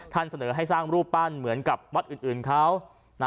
เสนอให้สร้างรูปปั้นเหมือนกับวัดอื่นเขา